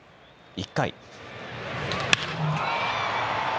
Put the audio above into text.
１回。